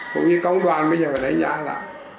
cũng như cộng đoàn bây giờ phải đánh giá lại